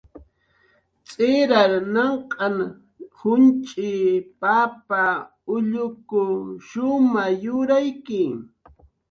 Tz'irar nanq'an junch'i, papa, ulluku shumay yurayki